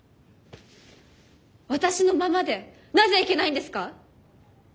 私のままでなぜいけないんですか？